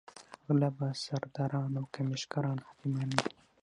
غله به سرداران او کمېشن کاران حاکمان وي.